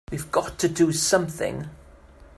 We've got to do something!